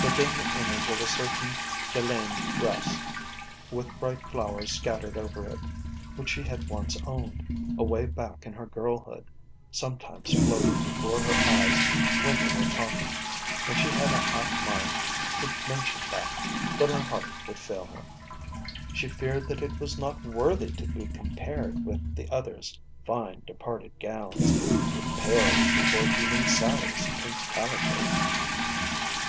The dim image of a certain delaine dress, with bright flowers scattered over it, which she had once owned, away back in her girlhood, sometimes floated before her eyes when they were talking, and she had a half mind to mention that, but her heart would fail her. She feared that it was not worthy to be com pared with the others' fine departed gowns ; it paled before even Sally's pink calico.